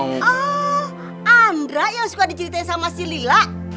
oh andra yang suka diceritain sama si lila